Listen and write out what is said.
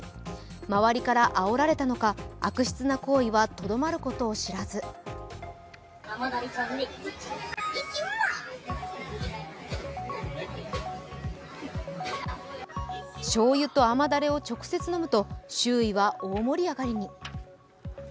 周りからあおられたのか、悪質な行為はとどまることを知らずしょうゆと甘だれを直接飲むと周囲は大盛り上がりに。